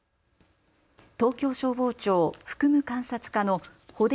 東京消防庁服務監察課の甫出